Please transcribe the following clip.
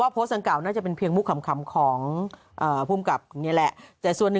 ว่ายังมีเคี่ยวเล็บอยู่